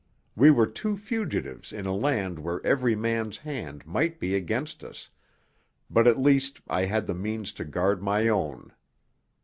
We were two fugitives in a land where every man's hand might be against us, but at least I had the means to guard my own.